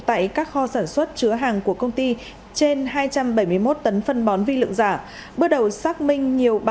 tại các kho sản xuất chứa hàng của công ty trên hai trăm bảy mươi một tấn phân bón vi lượng giả bước đầu xác minh nhiều